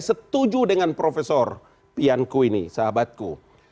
dan setuju dengan profesor pianku ini sahabatku